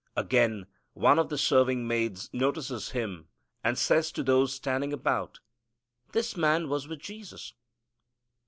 Again one of the serving maids notices him and says to those standing about, "This man was with Jesus."